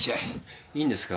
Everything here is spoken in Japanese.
いいんですか？